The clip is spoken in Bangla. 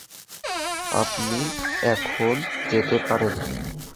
আপনি এখন যেতে পারেন।